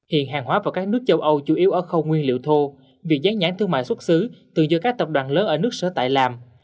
hiện hàng hóa vào các nước châu âu chủ yếu ở khâu nguyên liệu thô việc gián nhãn thương mại xuất xứ từ giữa các tập đoàn lớn ở nước sở tại làm